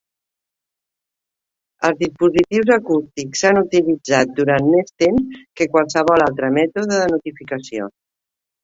Els dispositius acústics s'han utilitzat durant més temps que qualsevol altre mètode de notificació.